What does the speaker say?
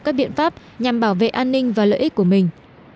các biện pháp nhằm bảo vệ an ninh và lợi ích của mình